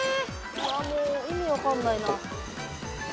わあもう意味分かんないな。